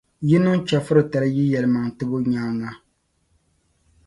Yi niŋ chεfuritali yi yɛlimaŋtibo nyaaŋa,